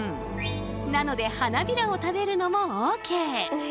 なので花びらを食べるのもＯＫ！